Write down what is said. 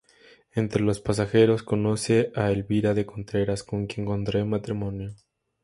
Entre los pasajeros, conoce a Elvira de Contreras con quien contrae matrimonio.